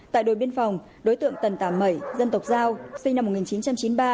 tại đội biên phòng đối tượng tần tà mẩy dân tộc giao sinh năm một nghìn chín trăm chín mươi ba